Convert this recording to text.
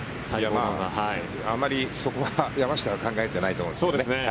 あまり、そこは山下は考えていないと思いますね。